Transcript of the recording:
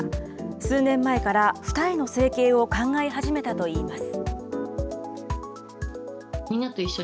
数年前から二重の整形を考え始めたといいます。